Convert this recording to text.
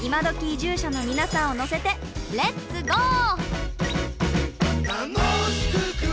移住者のみなさんを乗せてレッツゴー！